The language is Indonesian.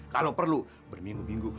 kalo perlu berminggu minggu